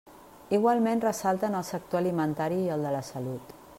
Igualment ressalten el sector alimentari i el de la salut.